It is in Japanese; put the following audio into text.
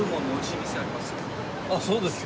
あっそうですか。